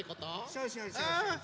そうそうそうそう。